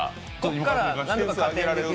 ここから。